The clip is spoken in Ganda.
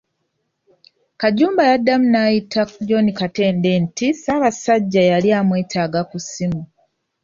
Kajumba yaddamu n'ayita John Katende nti Ssabasajja yali amwetaaga ku ssimu.